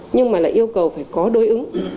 nhưng mà lại yêu cầu phải có đối ứng